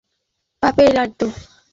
যার মধ্যে অন্যতম হলো কাঁচা পেঁপের লাড্ডু।